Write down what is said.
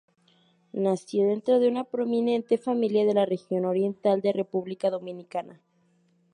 Nació dentro de una prominente familia de la región oriental de República Dominicana.